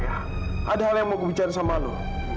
ada hal yang ingin saya bicarakan dengan kamu